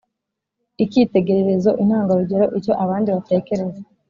ikitegererezo: intangarugero, icyo abandi batekereza.